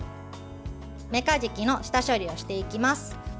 めかじきの下処理をしていきます。